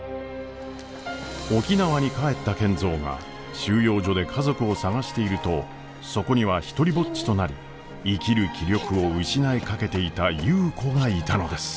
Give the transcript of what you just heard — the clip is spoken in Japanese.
沖縄に帰った賢三が収容所で家族を捜しているとそこには独りぼっちとなり生きる気力を失いかけていた優子がいたのです。